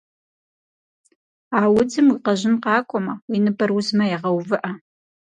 А удзым уи къэжьын къакӏуэмэ, уи ныбэр узмэ, егъэувыӏэ.